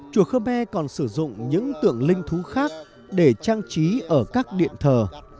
chùa khmer còn sử dụng những tượng linh thú khác để trang trí ở các điện thờ